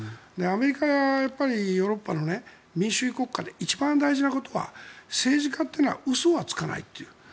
アメリカやヨーロッパの民主主義国家で一番大事なことは政治家というのは嘘をつかないという。